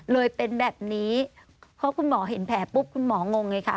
เลยเป็นแบบนี้เพราะคุณหมอเห็นแผลปุ๊บคุณหมองงไงคะ